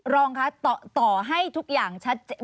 รองครับต่อให้ทุกอย่าง